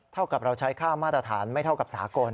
เท่ากับเราใช้ค่ามาตรฐานไม่เท่ากับสากล